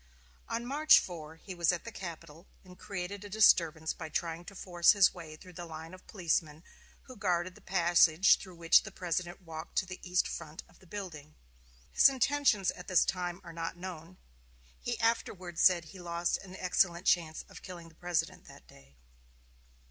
On March 4 he was at the Capitol, and created a disturbance by trying to force his way through the line of policemen who guarded the passage through which the President walked to the east front of the building. His intentions at this time are not known; he afterward said he lost an excellent chance of killing the President that day.